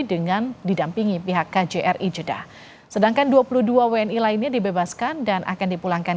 dengan didampingi pihak kjri jeddah sedangkan dua puluh dua wni lainnya dibebaskan dan akan dipulangkan